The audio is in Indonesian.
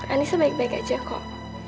anis baik baik saja kok